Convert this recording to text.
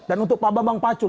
dan untuk pak bambang pacul